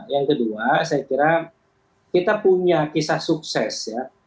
yang kedua saya kira kita punya kisah sukses ya